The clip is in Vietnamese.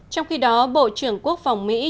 trong khi đó bộ trưởng quốc phòng mỹ